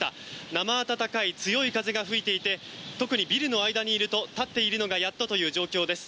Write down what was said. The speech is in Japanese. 生暖かい強い風が吹いていて特にビルの間にいると立っているのがやっとという状況です。